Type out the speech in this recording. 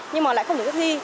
nhưng mà lại không được thi